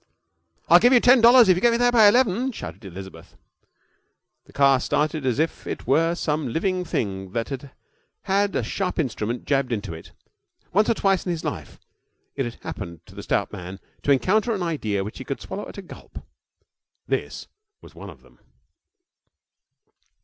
'I'll give you ten dollars if you get me there by eleven,' shouted Elizabeth. The car started as if it were some living thing that had had a sharp instrument jabbed into it. Once or twice in his life it had happened to the stout man to encounter an idea which he could swallow at a gulp. This was one of them.